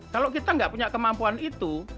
kalau kita nggak punya kemampuan itu